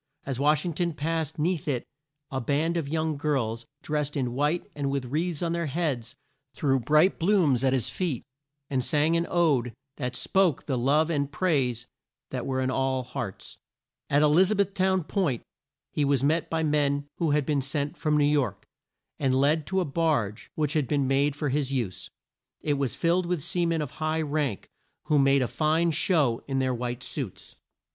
As Wash ing ton passed 'neath it a band of young girls, drest in white and with wreaths on their heads, threw bright blooms at his feet, and sang an ode that spoke the love and praise that were in all hearts. At E liz a beth town Point he was met by men who had been sent from New York, and led to a barge which had been made for his use. It was filled with sea men of high rank, who made a fine show in their white suits.